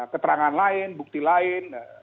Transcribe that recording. keterangan lain bukti lain